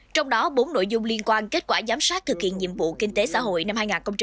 trong đó bốn nội dung liên quan kết quả giám sát thực hiện nhiệm vụ kinh tế xã hội năm hai nghìn hai mươi